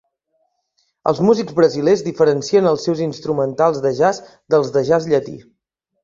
Els músics brasilers diferencien els seus instrumentals de jazz dels del jazz llatí.